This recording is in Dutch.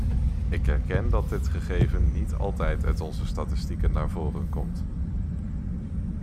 Ik erken dat dit gegeven niet altijd uit onze statistieken naar voren komt.